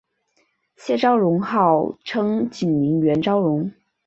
谢昭容号称景宁园昭容。